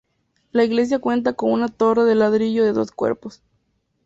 La iglesia cuenta con una torre de ladrillo de dos cuerpos.